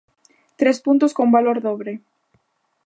Tres puntos con valor dobre...